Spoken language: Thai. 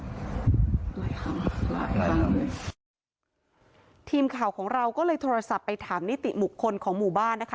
หลายครั้งหลายครั้งเลยทีมข่าวของเราก็เลยโทรศัพท์ไปถามนิติบุคคลของหมู่บ้านนะคะ